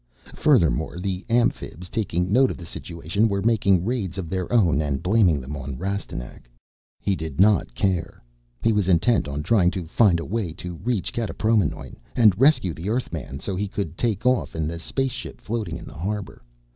Furthermore, the Amphibs, taking note of the situation, were making raids of their own and blaming them on Rastignac. He did not care. He was intent on trying to find a way to reach Kataproimnoin and rescue the Earthman so he could take off in the spaceship floating in the harbor.